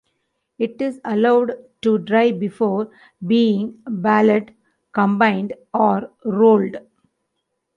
It is allowed to dry before being baled, combined, or rolled.